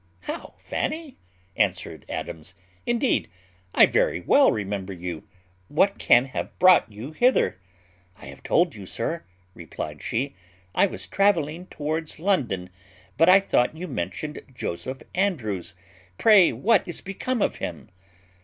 "How, Fanny!" answered Adams: "indeed I very well remember you; what can have brought you hither?" "I have told you, sir," replied she, "I was travelling towards London; but I thought you mentioned Joseph Andrews; pray what is become of him?"